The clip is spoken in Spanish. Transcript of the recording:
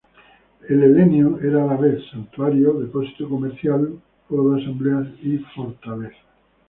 El Helenio era a la vez santuario, depósito comercial, foro de asambleas y fortaleza.